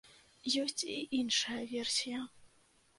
Ёсць і іншая версія.